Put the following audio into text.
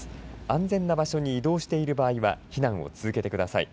安全な場所に移動している場合は避難を続けてください。